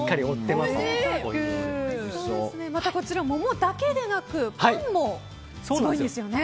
またこちら、桃だけでなくパンもすごいんですよね。